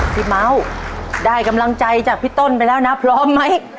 เม้าได้กำลังใจจากพี่ต้นไปแล้วนะพร้อมไหม